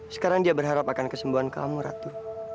sekarang dia berharap akan kesembuhan kamu ratu